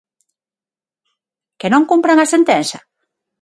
¿Que non cumpran a sentenza?